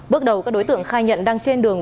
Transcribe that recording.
bước đầu các đối tượng khai nhận đang trên đường